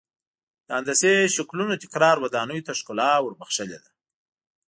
د هندسي شکلونو تکرار ودانیو ته ښکلا ور بخښلې ده.